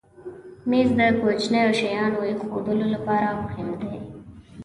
مېز د کوچنیو شیانو ایښودلو لپاره مهم دی.